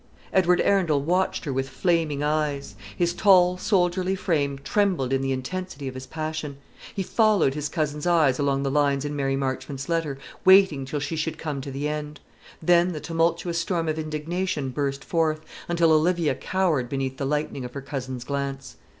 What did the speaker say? Edward Arundel watched her with flaming eyes. His tall soldierly frame trembled in the intensity of his passion. He followed his cousin's eyes along the lines in Mary Marchmont's letter, waiting till she should come to the end. Then the tumultuous storm of indignation burst forth, until Olivia cowered beneath the lightning of her cousin's glance.